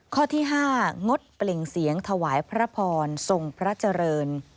ข้อที่๕งดเปล่งเสียงถวายพระพรทรงพระเจริญ